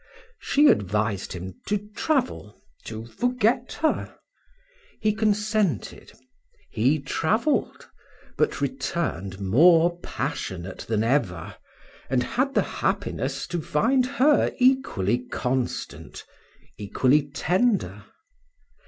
She advised him to travel to forget her. He consented he travelled, but returned more passionate than ever, and had the happiness to find her equally constant, equally tender.